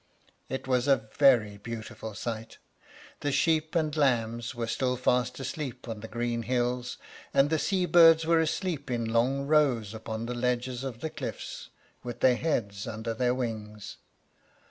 It was a very beautiful sight; the sheep and lambs were still fast asleep on the green hills, and the sea birds were asleep in long rows upon the ledges of the cliffs, with their heads under their wings.